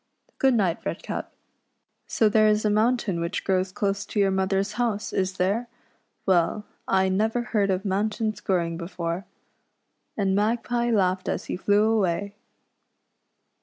Good night. Redcap. So there is a mountain which grows close to your mother's house, is there } Well, I never heard of mountains growing before." And Magpie laughed as he flew away.